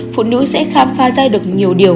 phụ nữ sẽ khám phá ra được nhiều điều